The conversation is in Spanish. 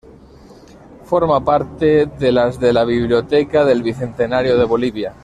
Forma parte de las de la Biblioteca del Bicentenario de Bolivia.